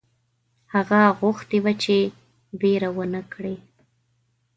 هغه غوښتي وه چې وېره ونه کړي.